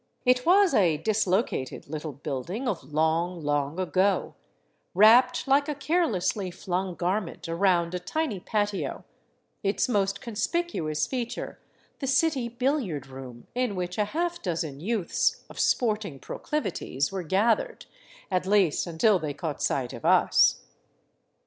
It was a dislocated little building of long, long, ago, wrapped like a carelessly flung garment around a tiny patio, its most conspicuous feature the city billiard room in which a half dozen youths of sporting proclivities were gathered — at least, until they caught sight of us.